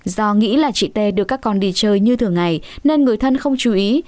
do nghĩ là chị tê được các con đi chơi như thường ngày nên người thân không chú ý